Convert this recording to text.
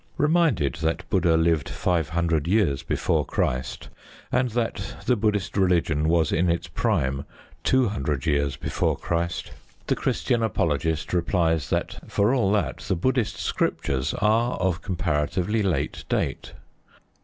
Reminded that Buddha lived five hundred years before Christ, and that the Buddhist religion was in its prime two hundred years before Christ, the Christian apologist replies that, for all that, the Buddhist Scriptures are of comparatively late date.